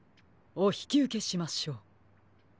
おひきうけしましょう。